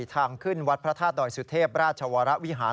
ทางขึ้นวัดพระธาตุดอยสุเทพราชวรวิหาร